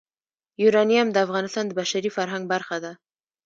یورانیم د افغانستان د بشري فرهنګ برخه ده.